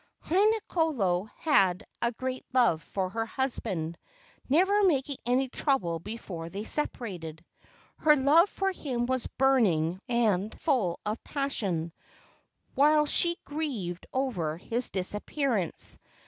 Haina kolo had a great love for her husband, never making any trouble before they separated. Her love for him was burning and full of passion, while she grieved over his disappearance.